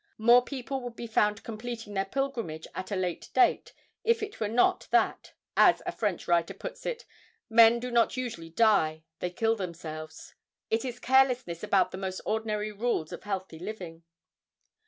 More people would be found completing their pilgrimage at a late date if it were not that, as a French writer puts it, "Men do not usually die; they kill themselves." It is carelessness about the most ordinary rules of healthy living.